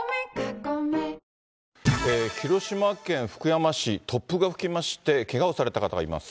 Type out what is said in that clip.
広島県福山市、突風が吹きまして、けがをされた方がいます。